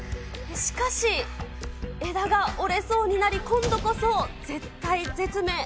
しかし、枝が折れそうになり、今度こそ絶体絶命。